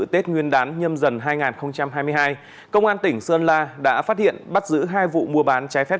tết nguyên đán nhâm dần hai nghìn hai mươi hai công an tỉnh sơn la đã phát hiện bắt giữ hai vụ mua bán trái phép